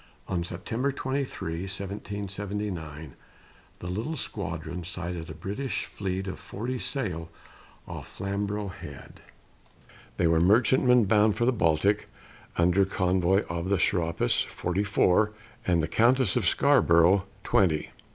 On September 23, 1779, the little squadron sighted a British fleet of forty sail off Flamborough Head. They were merchantmen bound for the Baltic under convoy of the Serapis, forty four, and the Countess of Scarborough, twenty.